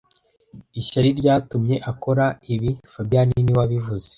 Ishyari ryatumye akora ibi fabien niwe wabivuze